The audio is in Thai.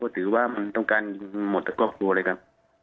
ก็ถือว่ามันต้องการหมดครอบครัวเลยครับ